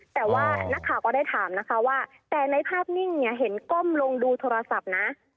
แต่ว่านักข่าวก็ได้ถามนะคะว่าแต่ในภาพนิ่งเนี่ยเห็นก้มลงดูโทรศัพท์นะ